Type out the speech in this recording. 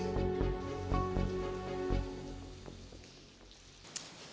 aku gak akan tinggal diam